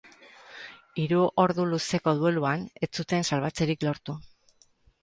Hiru ordu luzeko dueluan ez zuten salbatzerik lortu.